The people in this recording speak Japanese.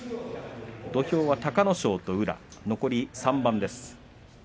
土俵は隆の勝と宇良、残り３番です。